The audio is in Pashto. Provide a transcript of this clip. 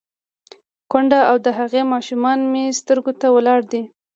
_کونډه او د هغې ماشومان مې سترګو ته ولاړ دي.